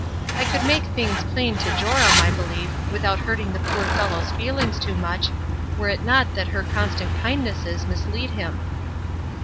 "I could make things plain to J^am I beheve, without hurting the POor fellow s feelings too much, were it not that her con stant kindnesses mislead him.